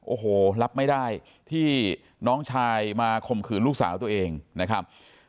โอ้โหรับไม่ได้ที่น้องชายมาข่มขืนลูกสาวตัวเองนะครับ